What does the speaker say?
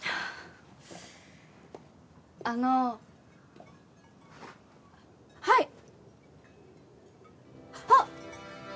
あのはいあっ！